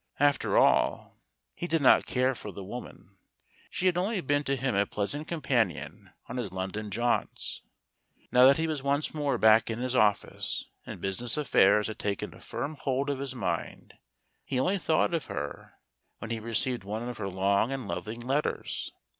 After all, he did not care for the woman; she had only been to him a pleasant companion on his London jaunts. Now that he was once more back in his office, and business affairs had taken a firm hold of his mind, he only thought of her when he re¬ ceived one of her long and loving letters.